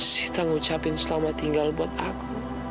kita ngucapin selamat tinggal buat aku